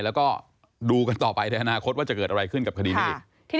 แล้วก็ดูกันต่อไปในอนาคตว่าจะเกิดอะไรขึ้นกับคดีนี้อีก